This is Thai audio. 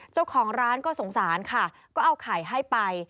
เจ้าของร้านก็สงสารค่ะก็เอาไข่ให้ไป